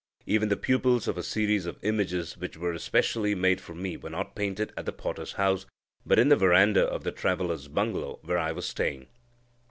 Even the pupils of a series of images which were specially made for me were not painted at the potter's house, but in the verandah of the traveller's bungalow where I was staying.